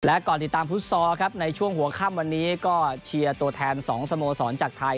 และก่อนติดตามฟุตซอลครับในช่วงหัวค่ำวันนี้ก็เชียร์ตัวแทน๒สโมสรจากไทย